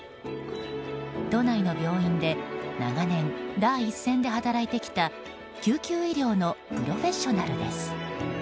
都内の病院で長年、第一線で働いてきた救急医療のプロフェッショナルです。